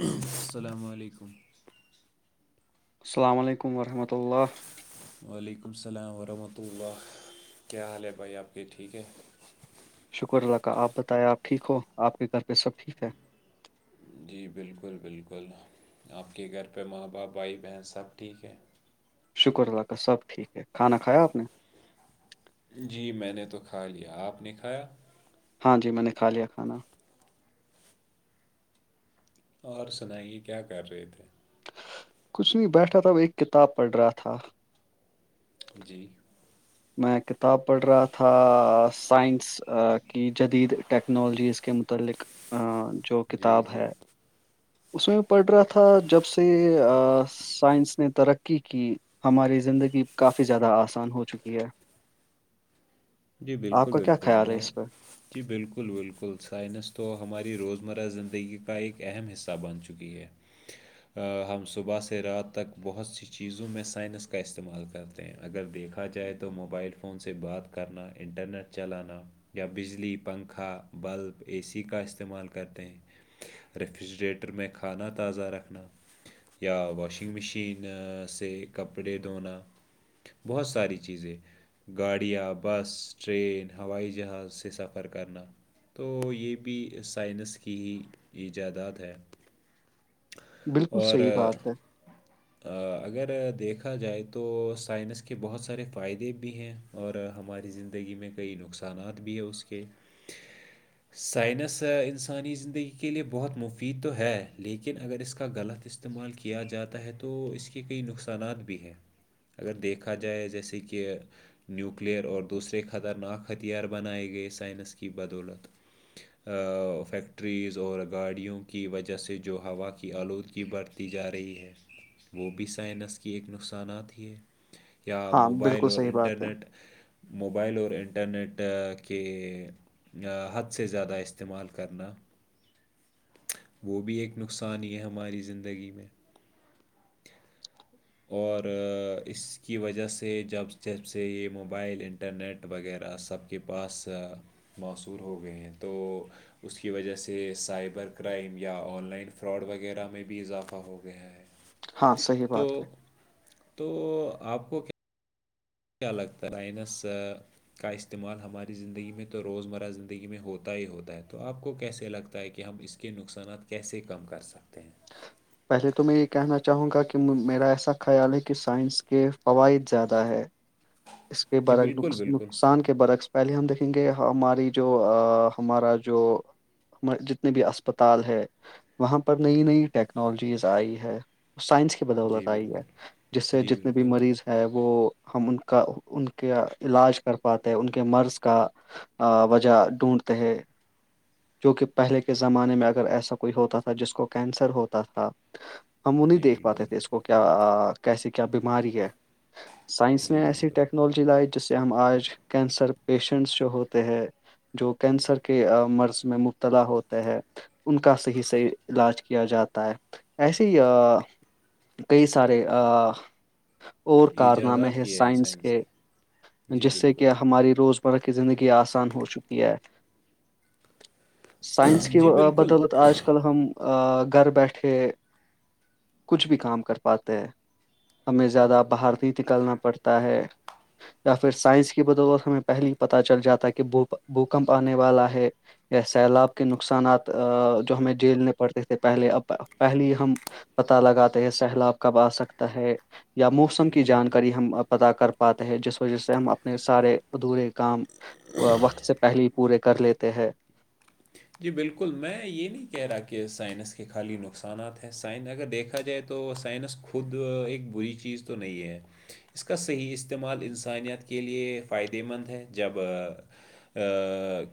السلام علیکم السلام علیکم ورحمۃ اللہ والیکم سلام ورحمۃ اللہ کیا حال ہے بھائی آپ کے ٹھیک ہے شکر اللہ کا آپ بتائیں آپ ٹھیک ہو آپ کے گھر پہ سب ٹھیک ہے جی بالکل بالکل آپ کے گھر پہ ماں باپ بھائی بہن سب ٹھیک ہیں شکر اللہ کا سب ٹھیک ہے کھانا کھایا آپ نے جی میں نے تو کھا لیا آپ نے کھایا ہاں جی میں نے کھا لیا کھانا اور سنائیے کیا کر رہے تھے کچھ نہیں بیٹھا تھا ا ایک کتاب پڑھ رہا تھا جی میں کتاب پڑھ رہا تھا سائنس کی جدید ٹیکنالوجیز کے متعلق جو جی کتاب جی ہے اس میں بھی پڑ رہا تھا جب سے سائنس نے ترقی کی ہماری زندگی کافی زیادہ آسان ہو چکی یک ہے جی آپ بالکل کا کیا بالکل خیال ہے اس پہ بہت جی بالکل بالکل سائنس تو ہماری روزمرہ زندگی کا ایک اہم حصہ بن چکی ہے ہم صبح سے رات تک بہت سی چیزوں میں سائنس کا استعمال کرتے اگر دیکھا جائے تو موبائل فون سے بات کرنا انٹرنیٹ چلانا یا بجلی پنکھا بلب اے سی کا استعمال کرتے ہیں ریفریجریٹر میں کھانا تازہ رکھنا یا واشنگ مشین سے کپڑے دھونا بہت ساری چیزیں گاڑیاں بس ٹرین ہوائی جہاز سے سفر کرنا تو یہ بھی سائنس کی ہی ایجاداد ہے بالکل اور صحیح بات ہے اگر دیکھا جائے تو سائنس کے بہت سارے فائدے بھی ہیں اور ہماری زندگی میں کئی نقصانات بھی ہے اس کے سائنس انسانی زندگی کے لیے بہت مفید تو ہے لیکن اگر اس کا غلط استعمال کیا جاتا ہے تو اس کے کئی نقصانات بھی ہیں اگر دیکھا جائے جیسے کہ نیو نیوکلیئر اور دوسرے خطرناک ہتھیار بنائے گئے سائنس کی بدولت فیکٹریز اور گاڑیوں کی وجہ سے جو ہوا کی آلودگی بر بڑتی جا رہی ہے وہ بھی سائنس کی ایک نقصانات ہی یا ہاں موبائل بالکل اور صحیح بات ہے انٹرنیٹ موبائل اور انٹرنیٹ کے حد سے زیادہ استعمال کرنا وہ بھی ایک نقصان یہ ہماری زندگی میں اور اس کی وجہ سے جب جب سے یہ موبائل انٹرنیٹ وغیرہ سب کے پاس موصور ہو گئے ہیں تو اس کی وجہ سے سائبر کرائم یا آن لائن فراڈ وغیرہ میں بھی اضافہ ہو گیا ہے ہاں صحیح تو بات ہے تو آپ کو کیا کیا لگتا ہے رائنس کا استعمال ہماری زندگی میں تو روزمرہ زندگی میں ہوتا ہی ہوتا ہے تو آپ کو کیسے لگتا ہے کہ ہم اس کے نقصانات کیسے کم کر سکتے ہیں پہلے تو میں یہ کہنا چاہوں گا کہ میرا ایسا خیال ہے کہ سائنس کے فوائد زیادہ ہے اس کے جی برعک بالکل بالکل نقصان کے برعکس پہلے ہم دیکھیں گے ہماری جو ہمارا جو ہم جتنے بھی اسپتال ہے وہاں پر نئی نئی ٹیکنالوجیز آئی ہے سائنس کی جی بدولت آئی بالکل ہے جس سے جی جتنے بھی بالکل مریض ہیں وہ ہم ان کو کا ان کے علاج کر پاتے ہیں ان کے مرض کا آ وجہ ڈھونڈتے ہیں کیونکہ پہلے کے زمانے میں اگر ایسا کوئی ہوتا تھا جس کو کینسر ہوتا تھا ہم وہ نہیں جی دیکھ بالکل پاتے تھے اس کو کیا کیسی کیا بیماری ہے سائن اس جی نے ایسی بالکل ٹیکنالوجی لائی جس سے ہم آج کینسر پیشنٹس جو ہوتے ہیں جو کینسر کے مرض میں مبتلا ہوتے ہیں ان کا صحیح صحیح علاج کیا جاتا ہے ایسے ہی کئی سارے اور کارنامے ایجادات ہیں کیے سائنس کے نے جی جس سے بالکل کہ ہماری روزمرہ کی زندگی آسان ہو چکی ہے سائنس کی جی بالکل بدولت آج کل ہم گھر بیٹھے کچھ بھی کام کر پاتے ہیں ہمیں زیادہ باہر نہیں نکلنا پڑتا تا ہے [unintelligible] یا پھر سائنس کی بدولت ہمیں پہلے ہی پتہ چل جاتا ہے کہو بھوکمپ آنے والا ہے یا سیلاب کے نقصانات جو ہمیں جیلنے پڑتے تھے پہلے اب پہلے ہم پتا لگاتے ہیں سیلاب کب آ سکتا ہے یا موسم جی کی بالکل جانکاری ہم اب پتا کر پاتے ہے جس وجہ سے ہم اپنے سارے ادھورے کام وقت سے پہلے پورے کر لیتے ہیں جی بالکل میں یہ نہیں کہہ رہا کہ سائنس کے خالی نقصانات ہیں سائن اگر دیکھا جائے تو تو سائنس خود ایک بری چیز تو نہیں ہے اس کا صحیح استعمال انسانیت کے لیے فائدہ مند ہے جب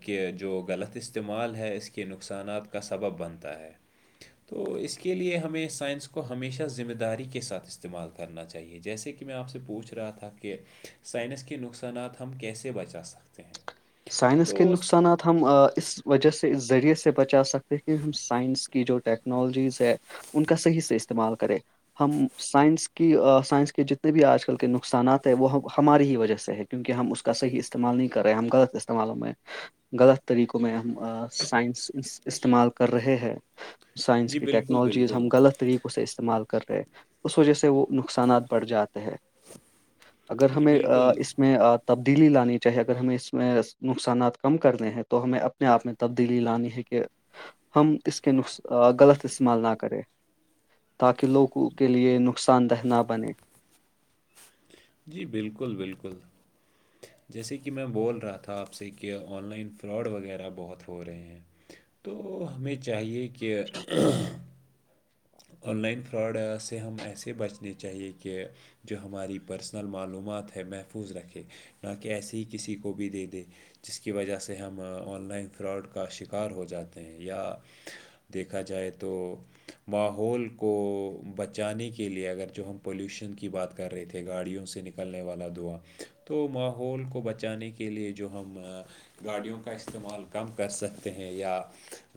کہہ جو غلط استعمال ہے اس کے نقصانات کا سبب بنتا ہے تو اس کے لیے ہمیں سائنس کو ہمیشہ ذمہ داری کے ساتھ استعمال کر ہے کرنا چاہیے جیسے کہ میں آپ سے پوچھ رہا تھا کہ سائنس کے نقصانات ہم کیسے بچا سکتے ہیں سائنس تو کے س- نقصانات ہم اس وجہ سے اس ذریعے سے بچا سکتے ہیں کہ ہم سائنس کی جو ٹیکنالوجیز ہے ان کا صحیح سے استعمال کرے ہم سائنس کی سائنس کے جتنے بھی آج کل کے نقصانات ہیں وہ ہماری ہی وجہ سے ہے کیونکہ ہم اس کا صحیح استعمال نہیں کر رہے ہم کا استعمالوں میں غلط طریقوں میں ہم سائنس استعمال کر رہے ہیں سائنس جی کی بالکل ٹیکنالوجیز بالکل ہم غلط طریقے اسے استعمال کر رہے اس وجہ سے وہ نقصانات بڑھ جاتے ہیں اگر جی ہمیں بالکل اس میں تبدیلی لانی چاہیے اگر ہمیں اس نقصانات کم کرنے ہیں تو ہمیں اپنے آپ میں تبدیلی لانی ہے کہ ہم اس کے ن غلط استعمال نہ کریں تاکہ لوگوں کے لیے نقصان دہ نہ بنے جی بالکل بالکل جیسے کہ میں بول رہا تھا آپ سے کہ آن لائن فراڈ وغیرہ بہت ہو رہے ہیں تو ہمیں چاہیے کہ آن لائن فراڈ سے ہم ایسے بچنے چاہیے کہ جو ہماری پرسنل معلومات ہے محفوظ رکھے نہ کہ ایسے ہی کسی کو بھی دے دے جس کی وجہ سے ہم آن لائن فراڈ کا شکار ہو جاتے ہیں یا دیکھا جائے تو ماحول کو بچانے کے لیے اگر جو ہم پولیوشن کی بات کر رہے تھے گاڑیوں سے نک نکلنے والا دعا تو ماحول کو بچانے کے لیے جو ہم گاڑیوں کا استعمال کم کر سکتے ہیں یا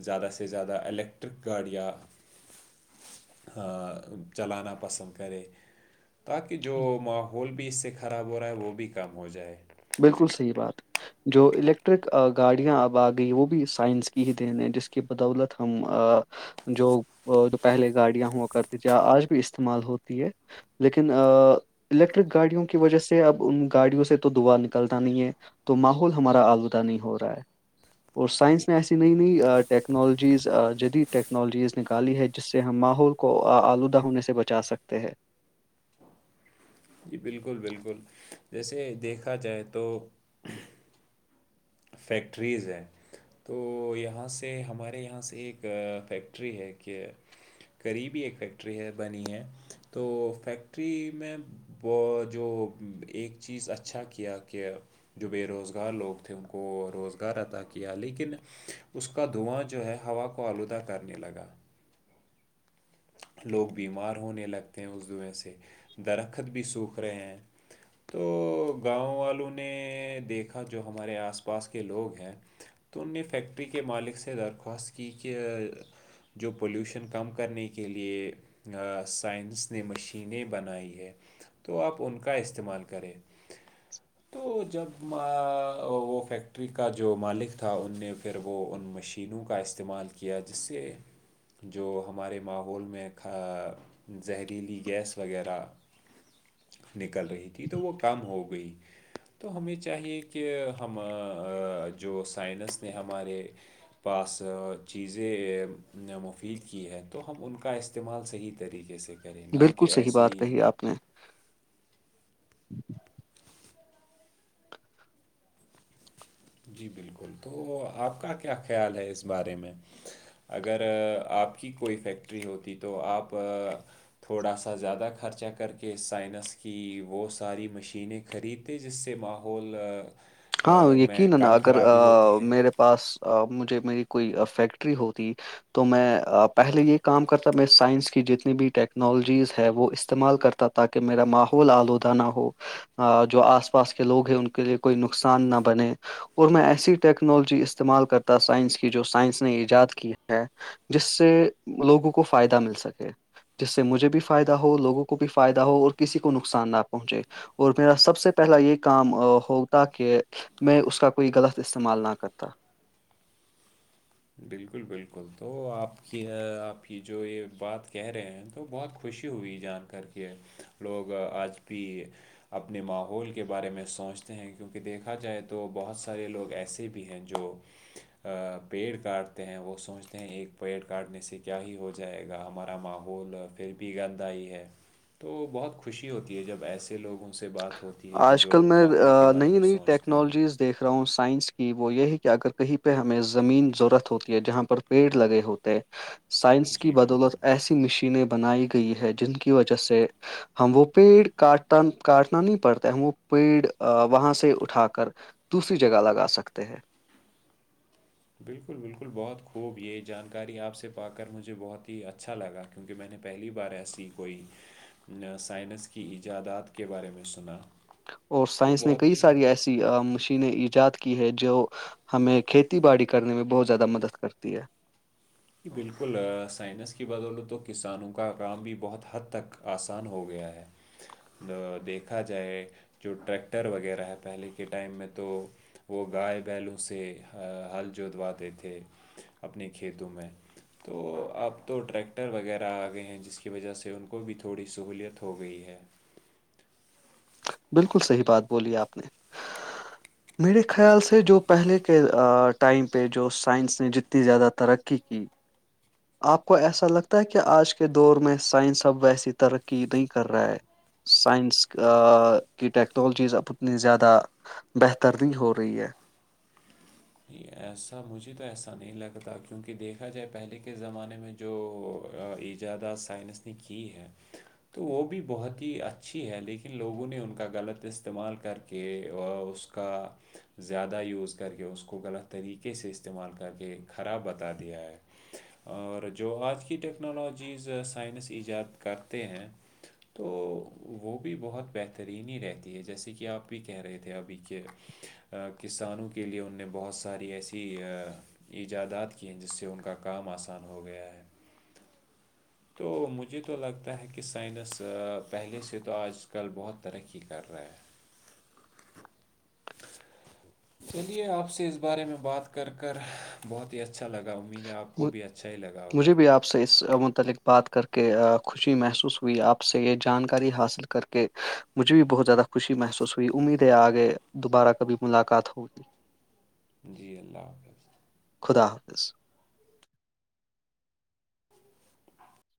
زیادہ سے زیادہ الیکٹرک گاڑیاں چلانا پسند کرے تاکہ جو ماحول بھی اس سے خراب ہو رہا ہے وہ بھی کام ہو جائے بالکل صحیح بات جو الیکٹرک گاڑیاں اب آ گئی وہ بھی سائنس کی ہی دین ہے جس کی بدولت ہم جو پہلے گاڑیاں ہوا کرتی ج آج بھی استعمال ہوتی ہے لیکن الیکٹرک گاڑیوں کی وجہ سے اب ان گاڑیوں سے تو دعا نکلتا نہیں ہے تو ماحول ہمارا آلودہ نہیں ہو رہا ہے اور سائنس نے ایسی نئی نئی ٹیکنالوجیز جدید ٹیکنالوجیز نکالی ہے جس سے ہم ماحول کو آلودہ ہونے سے بچا سکتے ہیں جی بالکل بالکل جیسے دیکھا جائے تو فیکٹریز ہیں تو یہاں سے ہمارے یہاں سے ایک فیکٹری ہے کہ قریبی ایک فیکٹری ہے بنی ہے تو فیکٹری میں وہ جو ایک چیز اچھا کیا کہ جو بے روزگار لوگ تھے ان کو روزگار اطا کیا لیکن اس کا دھواں جو ہے ہوا کو آلودہ کرنے لگا لوگ بیمار ہونے لگتے ہیں اس دئیں سے درخت بھی سوکھ رہے ہیں تو گاؤں والوں نے دیکھا جو ہمارے آس پاس کے لوگ ہیں تو ان نے فیکٹری کے مالک سے درخواست کی کہ جو پولیوشن کم کرنے کے لیے سائنس نے مشینیں بنائی ہے تو آپ ان کا استعمال کریں [inaudible] تو جب وہ فیکٹری کا جو مالک تھا ان نے پھر وہ ان مشینوں کا استعمال کیا جس سے جو ہمارے ماحول میں زہریلی گیس وغیرہ نکل رہی تھی تو وہ کم ہو گئی تو ہمیں چاہیے کہ ہم جو سائنس نے ہمارے پاس چیزیں مفید کی ہے تو ہم ان کا استعمال صحیح طریقے سے کریں نہ بالکل کہ صحیح ایسی بات کہی آپ نے جی بالکل تو آپ کا کیا خیال ہے اس بارے میں اگر آپ کی کوئی فیکٹری ہوتی تو آپ تھوڑا سا زیادہ خرچہ کر کے سائنس کی وہ ساری مشینیں خریدتے جس سے ماحول ہاں میں یقینا کم اگر خرابی ہوتی ہے میرے پاس مجھے میری کوئی فیکٹری ہوتی تو میں پہلے یہ کام کرتا میں سائنس کی جتنی بھی ٹیکنالوجیز ہے وہ استعمال کرتا تاکہ میرا ماحول آلودہ نہ ہو جو آس پاس کے لوگ ہیں ان کے لیے کوئی نس نقصان نہ بنے اور میں ایسی ٹیکنالوجی استعمال کرتا سائنس کی جو سائنس نے ایجاد کی ہے جس سے لوگوں کو فائدہ مل سکے جس سے مجھے بھی فائدہ ہو لوگوں کو بھی فائدہ ہو اور کسی کو نقصان نہ پہنچے اور میرا سب سے پہلا یہ کام ہو تاکہ میں اس کا کوئی غلط استعمال نہ کرتا بالکل بالکل تو آپ کی آپ کی جو یہ بات کہہ رہے ہیں تو بہت کچھ خوشی ہوئی جان کر کے لوگ آج بھی اپنے ماحول کے بارے میں سوچتے ہیں کیونکہ دیکھا جائے تو بہت سارے لوگ ایسے بھی ہیں جو پڑ کاٹتے ہیں وہ سوچتے ہیں ایک پیڑ کاٹنے سے کیا ہی ہو جائے گا ہمارا ماحول پھر بھی گند آئی ہے تو بہت خوشی ہوتی ہے جب ایسے لوگوں سے بات ہوتی ہے کہ آج کل جو میں ماحول کے بارے نئی میں نئی سوچتے ہیں ٹیکنالوجیز دیکھ رہا ہوں سائنس کی وہ یہی کہ اگر کہیں پہ ہمیں زمین ضرورت ہوتی ہے جہاں پر پیڑ لگے ہوتے ہیں سائنس کی جی بالکل بدولت ایسی مشینیں بنائی گئی ہے جن کی وجہ سے ہم وہ پیڑ کاٹتا کاٹنا نہیں پڑتا ہم وہ پیڑ وہاں سے اٹھا کر دوسری جگہ لگا سکتے ہیں بالکل بالکل بہت خوب یہ جانکاری آپ سے پا کر مجھے بہت ہی اچھا لگا کیونکہ میں نے پہلی بار ایسی کوئی سائنس کی ایجادات کے بارے میں سنا اور تو سائنس نے بہت کئی ہی ساری ایسی مشینیں ایجاد کی ہے جو ہمیں کھیتی باڑی کرنے میں بہت زیادہ مدد کرتی ہے بالکل سائنس کی بدولوں تو کسانوں کا کام بھی بہت حد تک آسان ہو گیا ہے دیکھا جائے جو ٹریکٹر وغیرہ ہے پہلے کے ٹائم میں تو وہ گائے بیلوں سے ہل جودواتے تھے اپنے کھیتوں میں تو اب تو ٹریکٹر وغیرہ آ گئے ہیں جس کی وجہ سے ان کو بھی تھوڑی سہولیت ہو گئی ہے بالکل صحیح بات بولی آپ نے [inaudible] میرے خیال سے جو پہلے کے ٹائم پہ جو سائنس نے جتنی زیادہ ترقی کی [inaudible] آپ کو ایسا لگتا ہے کہ آج کے دور میں سائنس اب ویسی ترقی نہیں کر رہا ہے سائنس کا کی ٹیکنالوجیز اب اتنی زیادہ بہتر نہیں ہو رہی ہے ایسا مجھے تو ایسا نہیں لگتا کیونکہ دیکھا جائے پہلے کے زمانے میں جو ایجادہ سائنس نے کی ہے تو وہ بھی بہت ہی اچھی ہے لیکن لوگوں نے ان کا غلط استعمال کر کے اس اس کا زیادہ یوز کر کے اس کو کو غلط طریقے سے استعمال کر کے خراب بتا دیا ہے اور جو آج کی ٹیکنالوجیز سائنس ایجاد کرتے ہیں تو وہ بھی بہت بہترینی ہی رہتی ہے جیسے کہ آپ بھی کہہ رہے تھے ابھی کہ کسانوں کے لیے ان نے بہت ساری ایسی ایجادات ک ہیں جس سے ان کا کام آسان ہو گیا ہے تو مجھے تو لگتا ہے کہ سائنس پہلے سے تو آج کل بہت ترقی کر رہا ہے چلیے آپ سے اس بارے میں بات کر کر بہت ہی اچھا لگا ہوں امیدیں آپ کو بھی اچھا ہی لگا ہوگا آ سے اس متعلق بات کر کے خوشی محسوس ہوئی آپ سے یہ جانکاری حاصل کر کے کہ مجھے بھی بہت زیادہ خوشی محسوس ہوئی امید ہے آگے دوبارہ کبھی ملاقات ہوگی جی اللہ حافظ خدا حافظ